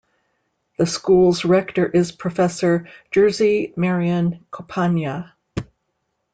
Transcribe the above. The school's rector is Professor Jerzy Marian Kopania.